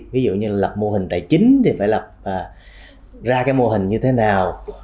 ví dụ như lập mô hình tài chính thì phải lập ra cái mô hình như thế nào